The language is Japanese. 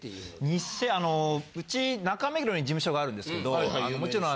偽あのうち中目黒に事務所があるんですけどもちろん。